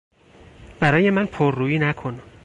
برای من پر رویی نکن!